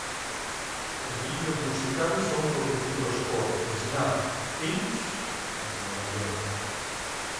Los videos musicales son producidos por Snap Films en Nueva York.